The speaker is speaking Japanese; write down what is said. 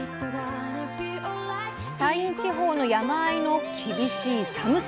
山陰地方の山あいの厳しい寒さ。